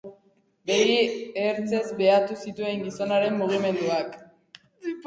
Begi ertzez behatu zituen gizonaren mugimenduak.